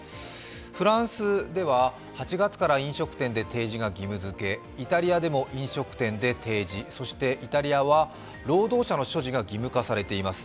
フランスでは８月から飲食店で提示が義務づけ、イタリアでも飲食店で提示、そしてイタリアは労働者の所持が義務化されています。